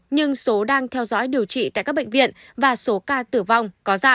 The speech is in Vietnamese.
nhưng số đang theo dõi điều trị tại các bệnh viện và số ca tử vong